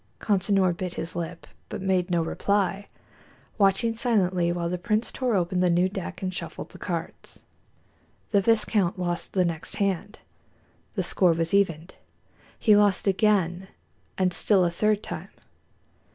Consinor bit his lip, but made no reply, watching silently while the prince tore open the new deck and shuffled the cards. The viscount lost the next hand, and the score was evened. He lost again, and still a third time.